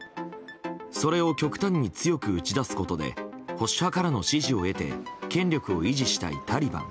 それを極端に強く打ち出すことで保守派からの支持を得て権力を維持したいタリバン。